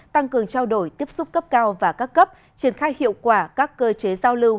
tăng cường trao đổi tiếp xúc cấp cao và các cấp triển khai hiệu quả các cơ chế giao lưu